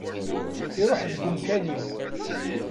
Iruḥ deg umkan-iw.